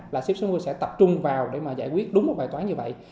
là sip sáu mươi sẽ tập trung vào để mà giải quyết đúng một vài toán như vậy